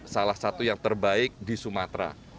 salah satu yang terbaik di sumatera